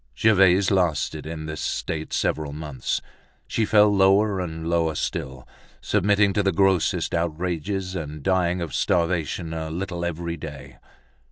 Gervaise lasted in this state several months. She fell lower and lower still, submitting to the grossest outrages and dying of starvation a little every day.